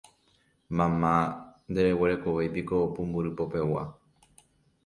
Mama, ndeguerekovéipiko pumbyry popegua.